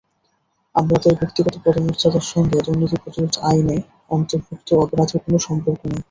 আমলাদের ব্যক্তিগত পদমর্যাদার সঙ্গে দুর্নীতি প্রতিরোধ আইনে অন্তর্ভুক্ত অপরাধের কোনো সম্পর্ক নেই।